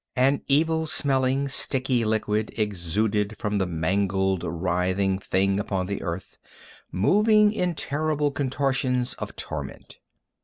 An evil smelling, sticky liquid exuded from the mangled writhing, thing upon the earth, moving in terrible contortions of torment.